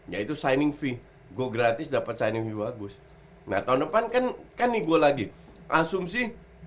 yaitu signing fee go gratis dapat signing fee bagus nah tahun depan kan nih gue lagi asumsi